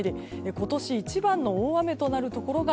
今年一番の大雨となるところが